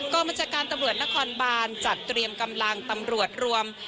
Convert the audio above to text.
บัญชาการตำรวจนครบานจัดเตรียมกำลังตำรวจรวม